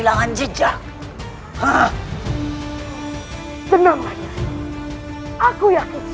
jangan berhenti sekaligus